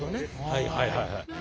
はいはいはいはい。